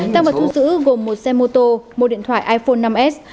tăng vật thu giữ gồm một xe mô tô một điện thoại iphone năm s